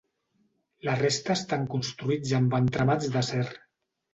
La resta estan construïts amb entramats d'acer.